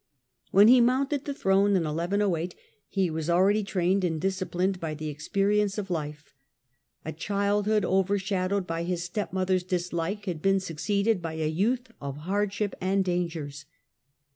When he mounted the throne in 1108 he was already trained and disciplined by the experience of life. A childhood overshadowed by his stepmother's dislike had been suc ceeded by a youth of hardships and dangers.